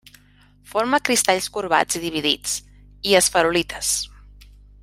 Forma cristalls corbats i dividits, i esferulites.